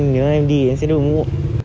nếu em đi em sẽ đưa mũ